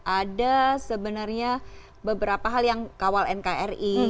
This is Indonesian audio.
ada sebenarnya beberapa hal yang kawal nkri